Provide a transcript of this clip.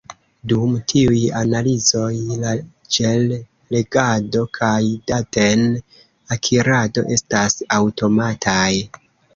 Dum tiuj analizoj, la ĝel-legado kaj daten-akirado estas aŭtomataj.